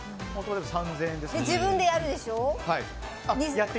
で、自分でやるでしょう。